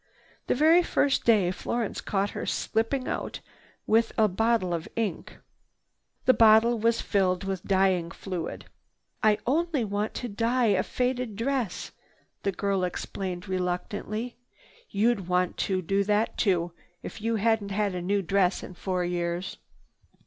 The very first day Florence caught her slipping out with an ink bottle. The bottle was filled with dyeing fluid. "I only wanted to dye a faded dress," the girl explained reluctantly. "You'd want to do that too if you hadn't had a new dress for four years."